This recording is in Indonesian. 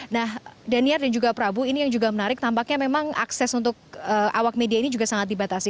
nah daniar dan juga prabu ini yang juga menarik tampaknya memang akses untuk awak media ini juga sangat dibatasi